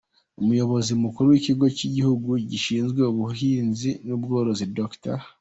Umuyobozi mukuru w’Ikigo cy’Igihugu gishinzwe ubuhinzi n’Ubworozi, Dr.